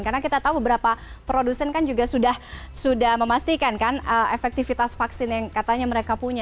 karena kita tahu beberapa produsen kan juga sudah memastikan kan efektivitas vaksin yang katanya mereka punya